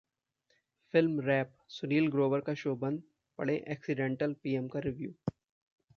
Film Wrap: Sunil Grover का show बंद, पढ़ें एक्सीडेंटल पीएम का रिव्यू